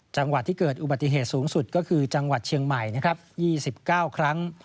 จังหวัดที่เกิดอุบัติเหตุสูงสุดก็คือจังหวัดเชียงใหม่๒๙ครั้ง